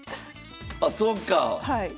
あそっか。